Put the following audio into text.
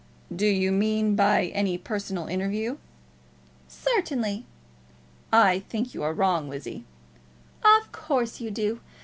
"Do you mean by any personal interview?" "Certainly." "I think you are wrong, Lizzie." "Of course you do.